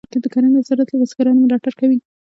د کرنې وزارت له بزګرانو ملاتړ کوي.